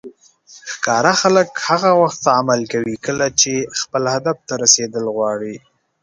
ښکار خلک هغه وخت عمل کوي کله چې خپل هدف ته رسیدل غواړي.